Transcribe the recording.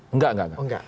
enggak enggak enggak